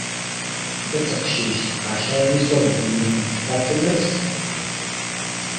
Ma d taqcict ɛecṛa n iṣurdiyen n lfeṭṭa kan ara s-tefkeḍ.